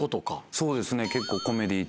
そうですね。